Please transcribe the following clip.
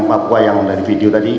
papua yang dari video tadi